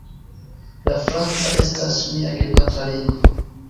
La franca estas mia gepatra lingvo.